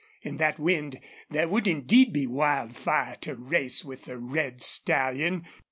In that wind there would indeed be wildfire to race with the red stallion.